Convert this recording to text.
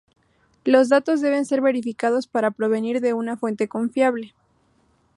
Los datos deben ser verificados para provenir de una fuente confiable.